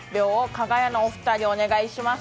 かが屋のお二人、お願いします。